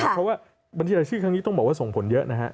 เพราะว่าบัญชีรายชื่อครั้งนี้ต้องบอกว่าส่งผลเยอะนะฮะ